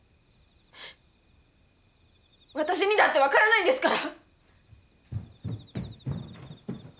私にだって分からないんですから！